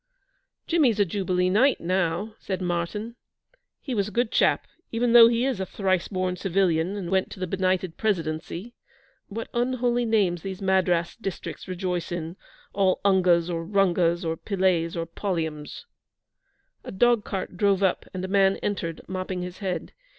'Jimmy's a Jubilee Knight now,' said Martyn. 'He was a good chap, even though he is a thrice born civilian and went to the Benighted Presidency. What unholy names these Madras districts rejoice in all ungas or rungas or pillays or polliums.' A dog cart drove up, and a man entered, mopping his head.